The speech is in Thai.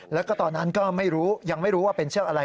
แล้วก็ตอนนั้นก็ไม่รู้ยังไม่รู้ว่าเป็นเชือกอะไร